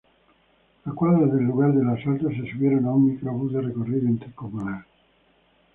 A cuadras del lugar del asalto, se subieron a un microbús de recorrido intercomunal.